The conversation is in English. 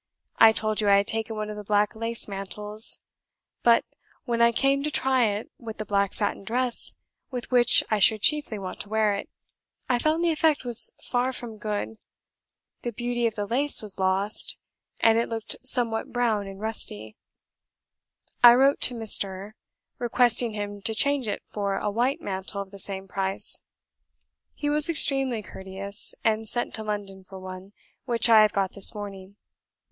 I told you I had taken one of the black lace mantles, but when I came to try it with the black satin dress, with which I should chiefly want to wear it, I found the effect was far from good; the beauty of the lace was lost, and it looked somewhat brown and rusty; I wrote to Mr. , requesting him to change it for a WHITE mantle of the same price; he was extremely courteous, and sent to London for one, which I have got this morning.